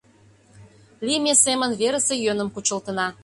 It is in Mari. Лийме семын, верысе йӧным кучылтына.